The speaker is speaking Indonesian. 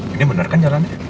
ini bener kan jalannya